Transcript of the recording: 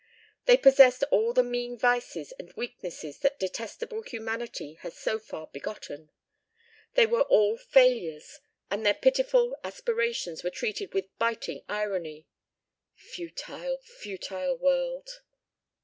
They possessed all the mean vices and weaknesses that detestable humanity has so far begotten. They were all failures and their pitiful aspirations were treated with biting irony. Futile, futile world!